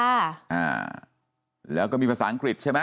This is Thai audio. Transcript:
อ่าแล้วก็มีภาษาอังกฤษใช่ไหม